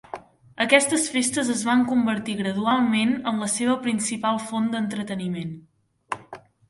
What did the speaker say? Aquestes festes es van convertir gradualment en la seva principal font d'entreteniment.